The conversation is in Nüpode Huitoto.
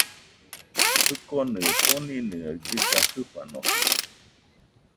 Jikonɨa koninɨaɨ dɨga jɨfanosɨde